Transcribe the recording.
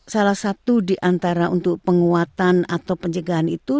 salah satu diantara untuk penguatan atau pencegahan itu